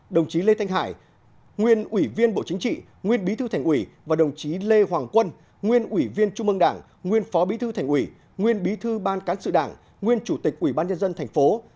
đồng chí lê thanh hải nguyên ủy viên bộ chính trị nguyên bí thư thành ủy và đồng chí lê hoàng quân nguyên ủy viên trung ương đảng nguyên phó bí thư thành ủy nguyên bí thư ban cán sự đảng nguyên chủ tịch ủy ban nhân dân thành phố